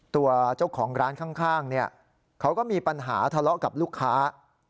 ตัวเจ้าของร้านข้างเนี่ยเขาก็มีปัญหาทะเลาะกับลูกค้า